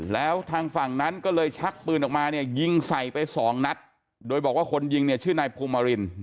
แล้วทางฝั่งนั้นก็เลยชักปืนออกมาเนี่ยยิงใส่ไปสองนัดโดยบอกว่าคนยิงเนี่ยชื่อนายภูมิมาริน